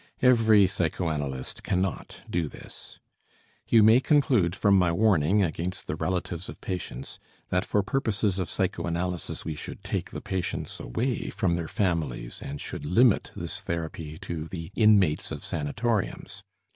Every psychoanalyst cannot do this. You may conclude from my warning against the relatives of patients that for purposes of psychoanalysis we should take the patients away from their families, and should limit this therapy to the inmates of sanatoriums.